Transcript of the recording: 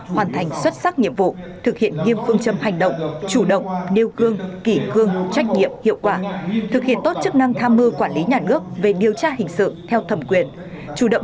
hoàn thành xuất sắc nhiệm vụ thực hiện nghiên cứu và đạt được tổ chức